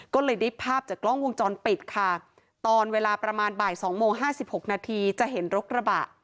ก็เลยได้ภาพจากกล้องวงจรปิดค่ะตอนเวลาประมาณบ่ายสองโมงห้าสิบหกนาทีจะเห็นรกระบะ